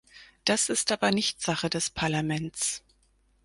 Das ist aber nicht Sache des Parlaments.